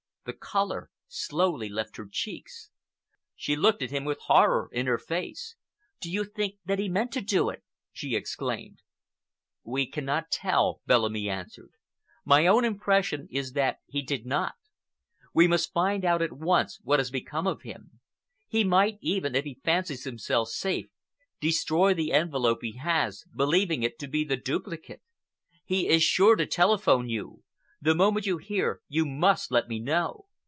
The color slowly left her cheeks. She looked at him with horror in her face. "Do you think that he meant to do it?" she exclaimed. "We cannot tell," Bellamy answered. "My own impression is that he did not. We must find out at once what has become of him. He might even, if he fancies himself safe, destroy the envelope he has, believing it to be the duplicate. He is sure to telephone you. The moment you hear you must let me know."